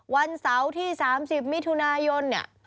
วันเสาร์ที่๓๐มิถุนายนเนี่ย